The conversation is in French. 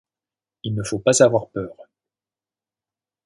Il ne faut pas avoir peur.